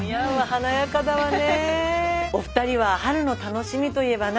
華やかだわね。